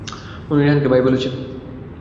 উনি রেহানকে বাই বলেছে।